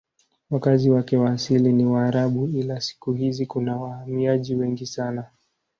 Wakazi wake wa asili ni Waarabu ila siku hizi kuna wahamiaji wengi sana.